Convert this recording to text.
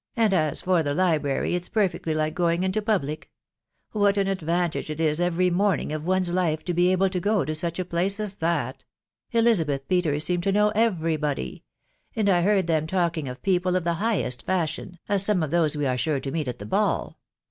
and, as for the literary, it's perfectly like:gaawg into public ! Whs* an advantage it is every monring of one « life to be able fte.gs> to such apkee as that ! 'Elisabeth Peter* seemed to knew every body ; aad 1 heard them talking of people of the highest fashion, as some of those we are sure to meet at the ball.